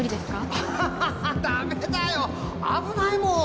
ハハハダメだよ危ないもん。